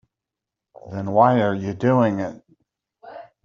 Then why are you doing it?